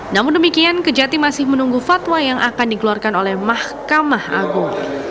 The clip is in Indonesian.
namun demikian kejati masih menunggu fatwa yang akan dikeluarkan oleh mahkamah agung